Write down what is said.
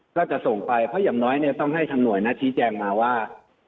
ก็จะส่งไปเพราะอย่างน้อยเนี่ยต้องให้ทางหน่วยชี้แจงมาว่า